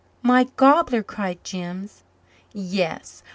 "My gobbler!" cried Jims. "Yes.